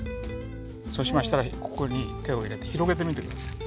そうしましたらここに手を入れて広げてみて下さい。